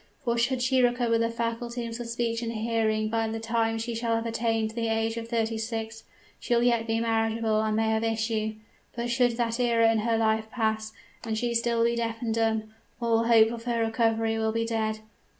For should she recover the faculties of speech and hearing by the time she shall have attained the age of thirty six, she will yet be marriageable and may have issue; but should that era in her life pass, and she still be deaf and dumb, all hope of her recovery will be dead!